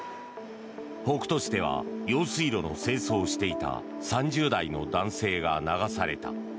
北斗市では用水路の清掃をしていた３０代の男性が流された。